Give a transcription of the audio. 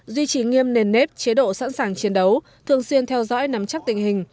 duy trì nghiêm nền nếp chế độ sẵn sàng chiến đấu thường xuyên theo dõi nắm chắc tình hình